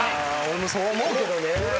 俺もそう思うけどね。